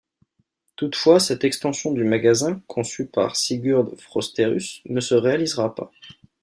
Toutefois, cette extension du magasin, conçue par Sigurd Frosterus, ne se réalisera pas.